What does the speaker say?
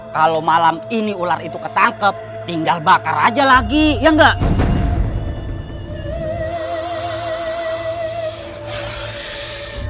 kalau malam ini ular itu ketangkep tinggal bakar aja lagi ya enggak